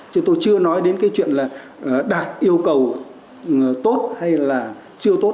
chứ tôi chưa nói đến cái chuyện là đạt yêu cầu tốt hay là chưa tốt